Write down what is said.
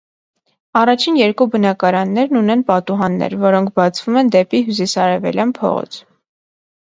Առաջին երկու բնակարաններն ունեն պատուհաններ, որոնք բացվում են դեպի հյուսիսարևելյան փողոց։